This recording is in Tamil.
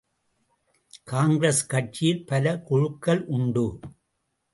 காங்கிரஸ் கட்சியில் பல குழுக்கள் உண்டு!